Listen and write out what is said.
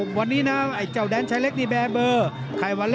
ครับครับครับครับครับครับครับครับครับ